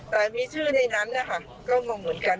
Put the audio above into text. แต่มีชื่อในนั้นนะคะก็งงเหมือนกัน